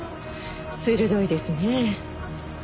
鋭いですねえ。